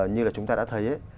như là chúng ta đã thấy ấy